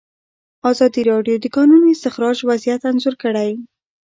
ازادي راډیو د د کانونو استخراج وضعیت انځور کړی.